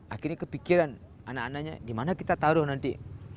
akhirnya kepikiran anak anaknya dimana kita taruh nanti